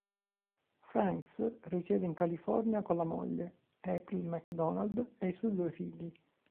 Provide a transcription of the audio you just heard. Franks risiede in California con la moglie, April McDonald, e i suoi due figli.